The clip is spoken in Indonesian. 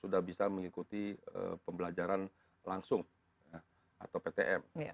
sudah bisa mengikuti pembelajaran langsung atau ptm